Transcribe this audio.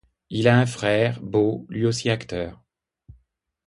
Il a un frère, Beau, lui aussi acteur.